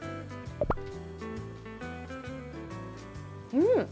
うん！